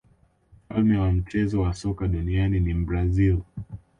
mfalme wa mchezo wa soka duniani ni mbrazil